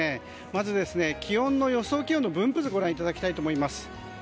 まず、予想気温の分布図ご覧いただきたいと思います。